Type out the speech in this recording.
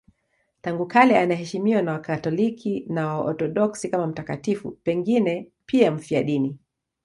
Tangu kale anaheshimiwa na Wakatoliki na Waorthodoksi kama mtakatifu, pengine pia mfiadini.